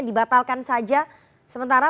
dibatalkan saja sementara